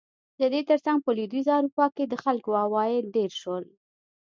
د دې ترڅنګ په لوېدیځه اروپا کې د خلکو عواید ډېر شول.